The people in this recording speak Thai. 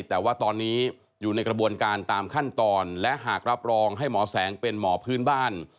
แต่ว่าตอนนี้อยู่ในกระบวนการตามขั้นตอนและหากรับรองให้หมอแสงเป็นหมอพื้นบ้าน